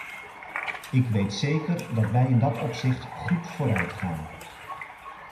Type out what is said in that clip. Ik weet zeker dat wij in dat opzicht goed vooruit gaan.